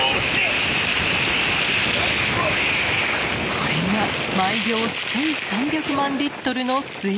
これが毎秒１，３００万リットルの水量。